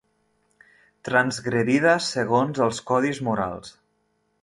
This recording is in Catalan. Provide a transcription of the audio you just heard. Transgredida segons els codis morals.